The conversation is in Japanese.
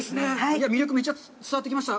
魅力、めっちゃ伝わってきました。